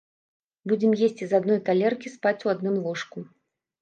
Будзем есці з адной талеркі, спаць у адным ложку.